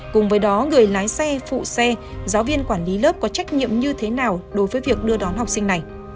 cùng với đó người lái xe phụ xe giáo viên quản lý lớp có trách nhiệm như thế nào đối với việc đưa đón học sinh này